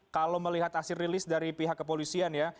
kalau melihat hasil rilis dari pihak kepolisian ya